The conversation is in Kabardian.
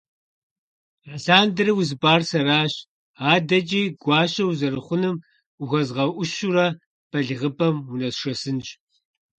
Алъандэрэ узыпӀар сэращ, адэкӀи гуащэ узэрыхъуным ухуэзгъэӀущурэ балигъыпӀэм унэсшэсынщ.